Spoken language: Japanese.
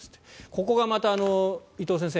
ここがまた伊藤先生